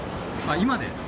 今で？